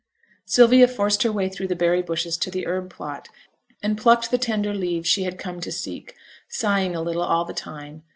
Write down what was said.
Sylvia forced her way through the berry bushes to the herb plot, and plucked the tender leaves she had come to seek; sighing a little all the time.